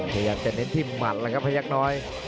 พยักษ์น้อยจะเน็ตที่หมัดครับพยักษ์น้อย